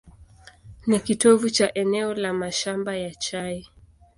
Ni kitovu cha eneo la mashamba ya chai.